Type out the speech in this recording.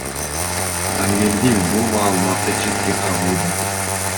Кангелдиев бул маалыматты четке кагууда.